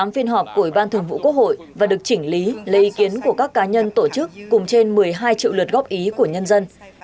một mươi phiên họp của ủy ban thường vụ quốc hội và được chỉnh lý lấy ý kiến của các cá nhân tổ chức cùng trên một mươi hai triệu luật góp ý của nhân dân